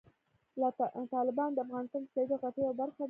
تالابونه د افغانستان د سیاسي جغرافیه یوه برخه ده.